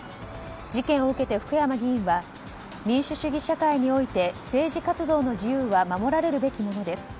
事件を受けて福山議員は民主主義社会において政治活動の自由は守られるべきものです。